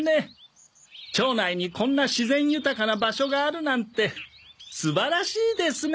町内にこんな自然豊かな場所があるなんて素晴らしいですね！